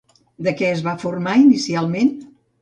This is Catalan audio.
De què es va formar inicialment?